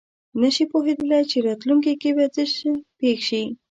نه شي پوهېدلی چې راتلونکې کې به څه پېښ شي.